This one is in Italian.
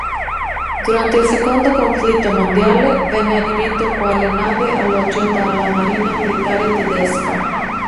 Durante il secondo conflitto mondiale venne adibito quale nave alloggio dalla marina militare tedesca.